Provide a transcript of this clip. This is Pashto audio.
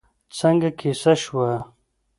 څنګه کېسه شوه؟